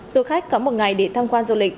du khách có một ngày để tham quan du lịch